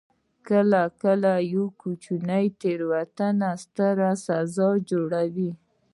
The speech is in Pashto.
کله کله یوه کوچنۍ تیروتنه لویه ستونزه جوړوي